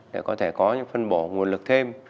để có thể có những phân bổ nguồn lực thêm